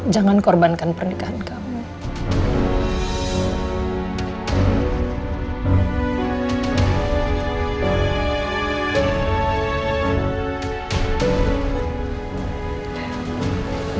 jangan korbankan pernikahan kamu